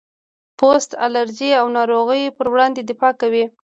پوست د الرجي او ناروغیو پر وړاندې دفاع کوي.